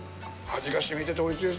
味が染みてて美味しいですね。